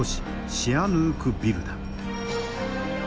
シアヌークビルだ。